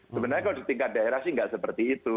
sebenarnya kalau di tingkat daerah sih nggak seperti itu